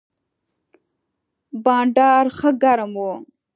بانډار ښه ګرم و.